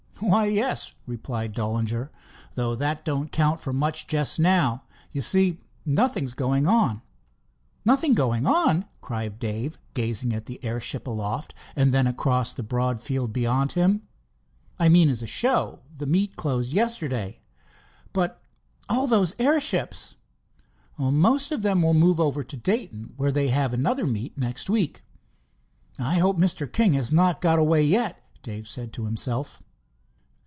"Why, yes," replied Dollinger, "though that don't count for much just now. You see, nothing's going on." "Nothing going on!" cried Dave, gazing at the airship aloft and then across the broad field beyond him. "I mean as a show. The meet closed yesterday." "But all those airships?" "Most of them will move over to Dayton, where they have another meet next week." "I hope Mr. King has not got away yet," Dave said to himself.